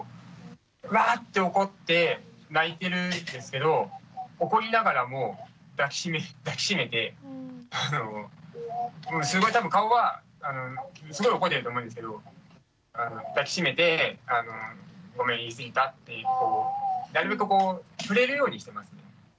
わって怒って泣いてるんですけど怒りながらも抱き締めてすごい多分顔はすごい怒ってると思うんですけど抱き締めて「ごめん言い過ぎた」ってなるべくこう触れるようにしてますね。